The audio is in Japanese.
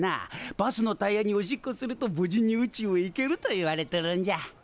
バスのタイヤにおしっこすると無事に宇宙へ行けるといわれとるんじゃ。